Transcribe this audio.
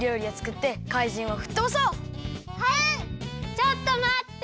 ちょっとまって！